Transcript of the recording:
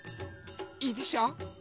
いいでしょう！